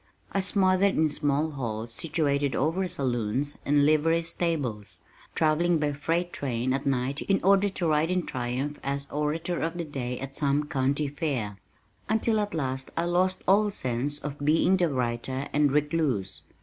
I smothered in small halls situated over saloons and livery stables, travelling by freight train at night in order to ride in triumph as "Orator of the Day" at some county fair, until at last I lost all sense of being the writer and recluse.